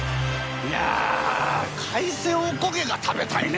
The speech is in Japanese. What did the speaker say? いや海鮮おこげが食べたいね。